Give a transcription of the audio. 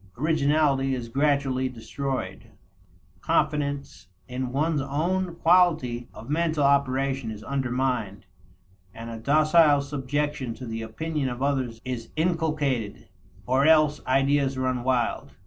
Originality is gradually destroyed, confidence in one's own quality of mental operation is undermined, and a docile subjection to the opinion of others is inculcated, or else ideas run wild.